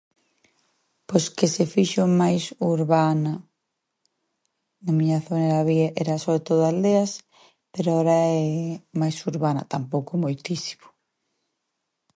Pos que se fixo máis urbana. A miña zona había, era solo todo aldeas, pero ahora é máis urbana, tampouco moitísimo.